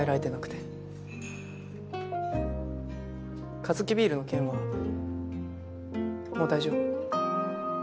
カヅキビールの件はもう大丈夫？